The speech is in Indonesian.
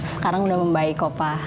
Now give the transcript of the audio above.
sekarang udah membaik pak